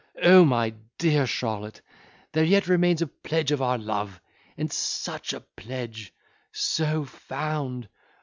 —O my dear Charlotte, there yet remains a pledge of our love! and such a pledge!—so found!